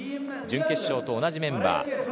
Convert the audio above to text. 準決勝と同じメンバー。